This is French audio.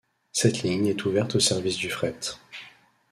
Cette ligne est ouverte au service du fret.